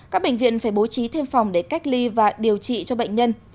các bệnh viện phải bố trí thêm phòng để cách ly và điều trị cho bệnh nhân